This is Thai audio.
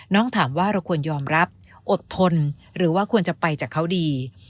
ถามว่าเราควรยอมรับอดทนหรือว่าควรจะไปจากเขาดี